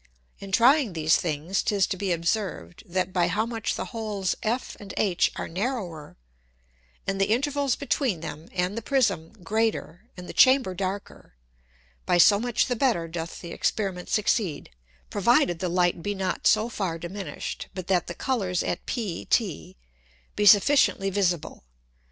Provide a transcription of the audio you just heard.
In trying these things 'tis to be observed, that by how much the holes F and H are narrower, and the Intervals between them and the Prism greater, and the Chamber darker, by so much the better doth the Experiment succeed; provided the Light be not so far diminished, but that the Colours at pt be sufficiently visible.